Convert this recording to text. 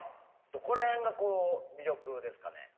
どこら辺がこう魅力ですかね？